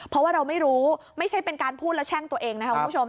เพราะว่าเราไม่รู้ไม่ใช่เป็นการพูดและแช่งตัวเองนะครับคุณผู้ชม